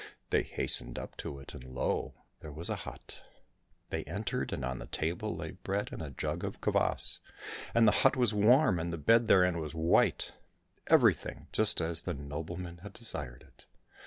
They hastened up to it, and lo ! there was a hut. They entered, and on the table lay bread and a jug of kvas ; and the hut was warm, and the bed therein was white — everything just as the nobleman had desired it.